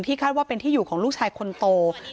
ที่คิดว่าเป็นที่อยู่ของลูกชายคนโตแต่ไม่เจอใคร